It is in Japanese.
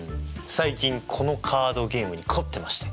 最近このカードゲームに凝ってまして。